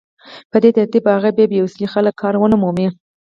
په دې ترتیب به هغه بې وسيلې خلک کار ونه مومي